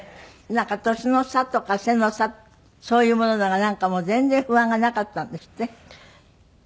なんか年の差とか背の差そういうものとかなんかもう全然不安がなかったんですって？